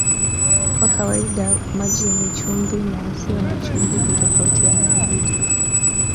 Kwa kawaida maji yenye chumvi na yasiyo na chumvi hutofautiana uzito